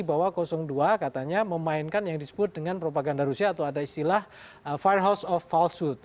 bahwa dua katanya memainkan yang disebut dengan propaganda rusia atau ada istilah firehouse of falsehood